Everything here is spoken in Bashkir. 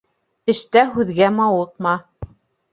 Эштә һүҙғә мауыҡма.